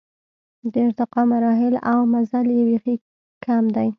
د ارتقا مراحل او مزل یې بېخي کم دی.